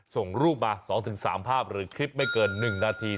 ส่งรูปมา๒๓ภาพหรือคลิปไม่เกิน๑นาที